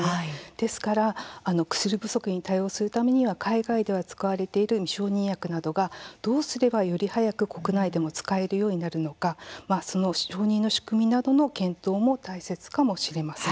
ですから薬不足に対応するためには海外で使われている未承認薬などがどうすればより早く国内でも使えるようになるのか承認の仕組みなどの検討も大切かもしれません。